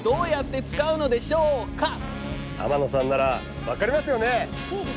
天野さんなら分かりますよね？